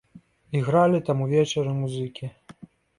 Ігралі там увечары музыкі.